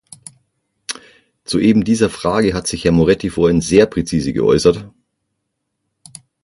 Zu eben dieser Frage hat sich Herr Moretti vorhin sehr präzise geäußert.